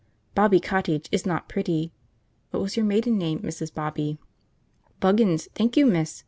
'Bobby Cottage' is not pretty. What was your maiden name, Mrs. Bobby?" "Buggins, thank you, miss.